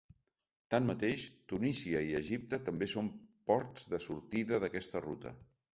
Tanmateix, Tunísia i Egipte també són ports de sortida d’aquesta ruta.